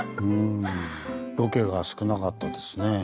ロケが少なかったですね。